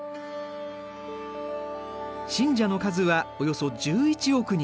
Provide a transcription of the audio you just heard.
信者の数はおよそ１１億人。